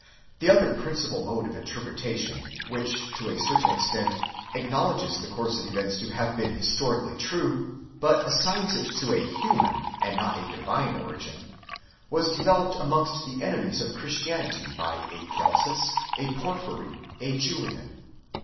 The other principal mode of interpretation, which, to a certain extent, acknowledges the course of events _ to have been historically true, but assigns it toa human and not a divine origin, was developed amongst the enemies of Christianity by a Celsus, a Porphyry, and a Julian.